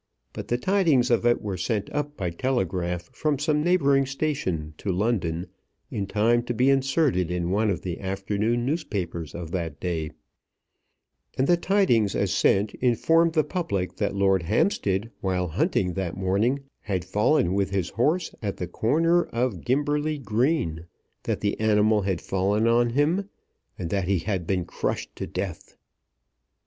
But the tidings of it were sent up by telegraph from some neighbouring station to London in time to be inserted in one of the afternoon newspapers of that day; and the tidings as sent informed the public that Lord Hampstead while hunting that morning had fallen with his horse at the corner of Gimberly Green, that the animal had fallen on him, and that he had been crushed to death.